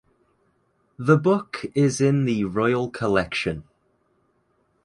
The book is in the Royal Collection.